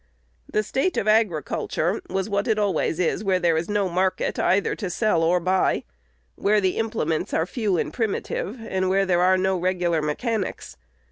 The state of agriculture was what it always is where there is no market, either to sell or buy; where the implements are few and primitive, and where there are no regular mechanics.